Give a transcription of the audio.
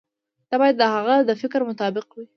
دا باید د هغه د فکر مطابق وي.